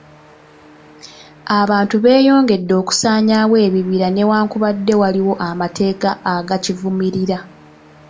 Abantu beeyongedde okusaanyaawo ebibira newankubadde waliwo amateeka agakivumirira.